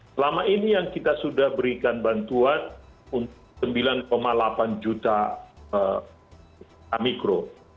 selama ini yang kita sudah berikan bantuan untuk sembilan delapan juta mikro